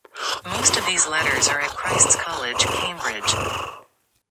Most of these letters are at Christ's College, Cambridge.